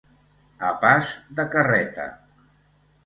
A pas de carreta.